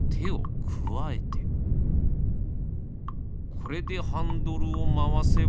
これでハンドルをまわせば。